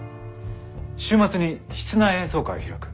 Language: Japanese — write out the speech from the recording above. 週末に室内演奏会を開く。